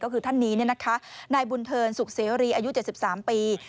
ก็คือท่านนี้นายบุญเทินสุขเสรีอายุ๗๓ปี